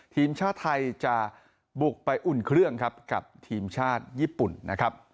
ทีมชาติไทยจะบุกไปอุ่นเครื่องครับกับทีมชาติญี่ปุ่นนะครับ